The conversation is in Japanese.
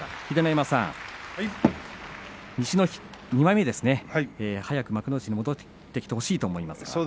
秀ノ山さん、西の２枚目ですね早く幕内に戻ってきてほしいと思いますが。